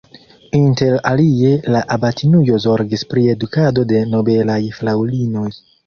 Interalie la abatinujo zorgis pri edukado de nobelaj fraŭlinoj.